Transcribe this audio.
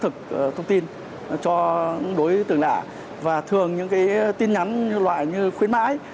thực thông tin cho đối tượng lạ và thường những cái tin nhắn loại như khuyến mãi